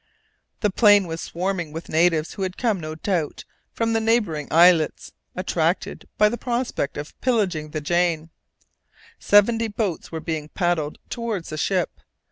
The plain was swarming with natives who had come, no doubt, from the neighbouring islets, attracted by the prospect of pillaging the Jane. Seventy boats were being paddled towards the ship.